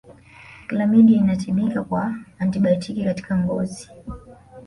Klamidia inatibika kwa antibaotiki katika ngozi